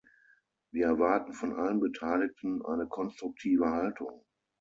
Wir erwarten von allen Beteiligten eine konstruktive Haltung.